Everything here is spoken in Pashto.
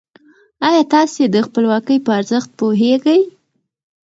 ايا تاسې د خپلواکۍ په ارزښت پوهېږئ؟